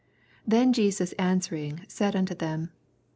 22 Then Jesus answering said unt« them.